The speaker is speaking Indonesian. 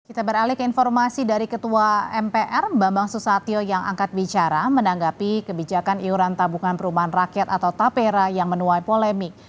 kita beralih ke informasi dari ketua mpr bambang susatyo yang angkat bicara menanggapi kebijakan iuran tabungan perumahan rakyat atau tapera yang menuai polemik